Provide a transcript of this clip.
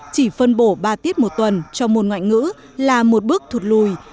chỉ phân bổ ba tiết một tuần cho môn ngoại ngữ là một bước thụt lùi